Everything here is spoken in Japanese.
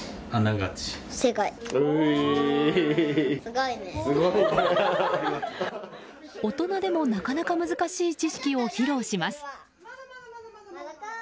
大人でもなかなか難しい知識を披露します。